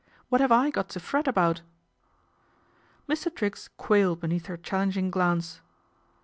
" What have I got to fret about ?" Mr. Triggs quailed beneath her challengin glance.